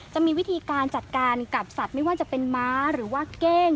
จะมีวิธีการจัดการกับสัตว์ไม่ว่าจะเป็นม้าหรือว่าเก้ง